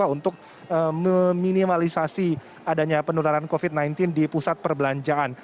untuk meminimalisasi adanya penularan covid sembilan belas di pusat perbelanjaan